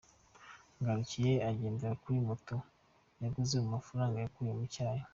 Ngarukiye agendera kuri moto yaguze mu mafaranga yakuye mu cyayi.